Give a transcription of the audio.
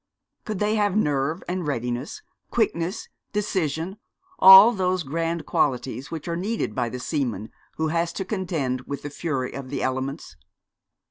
could they have nerve and readiness, quickness, decision, all those grand qualites which are needed by the seaman who has to contend with the fury of the elements?